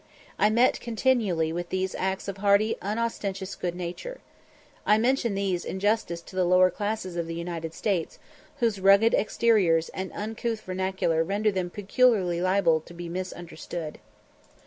I met continually with these acts of hearty unostentatious good nature. I mention these in justice to the lower classes of the United States, whose rugged exteriors and uncouth vernacular render them peculiarly liable to be misunderstood.